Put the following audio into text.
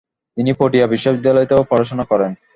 তিনি পটিয়া বিশ্ববিদ্যালয়তেও পড়াশোনা করেন।